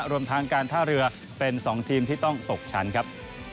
รวมทางการท่าเรือเป็น๒ทีมที่ต้องตกชั้นครับ